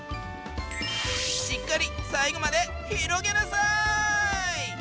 しっかり最後まで広げなさい！